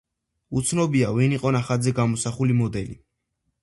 უცნობია, ვინ იყო ნახატზე გამოსახული მოდელი.